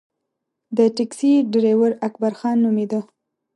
د ټیکسي ډریور اکبرخان نومېده.